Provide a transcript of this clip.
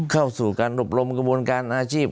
เข้าสู่การอบรมกระบวนการอาชีพ